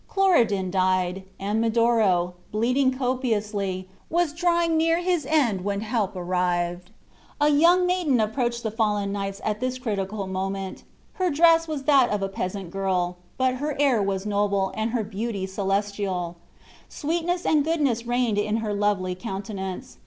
Cloridan died; and Medoro, bleeding copiously, was drawing near his end when help arrived. A young maiden approached the fallen knights at this critical moment. Her dress was that of a peasant girl, but her air was noble, and her beauty celestial; sweetness and goodness reigned in her lovely countenance.